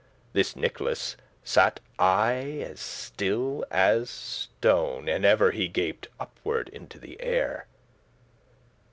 This Nicholas sat aye as still as stone, And ever he gap'd upward into the air.